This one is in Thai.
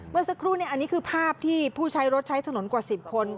เมื่อสักครู่อันนี้คือภาพที่ผู้ใช้รถใช้ถนนกว่า๑๐คน